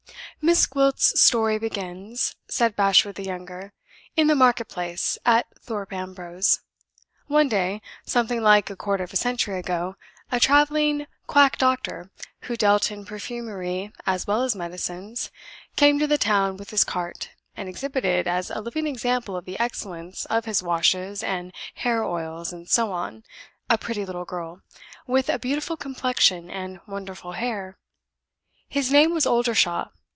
"Miss Gwilt's story begins," said Bashwood the younger, "in the market place at Thorpe Ambrose. One day, something like a quarter of a century ago, a traveling quack doctor, who dealt in perfumery as well as medicines, came to the town with his cart, and exhibited, as a living example of the excellence of his washes and hair oils and so on, a pretty little girl, with a beautiful complexion and wonderful hair. His name was Oldershaw.